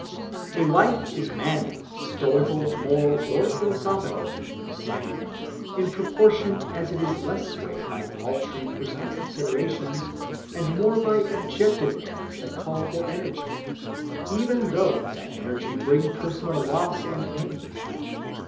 A life is manly, stoical, moral, or philosophical, we say, in proportion as it is less swayed by paltry personal considerations and more by objective ends that call for energy, even though that energy bring personal loss and pain.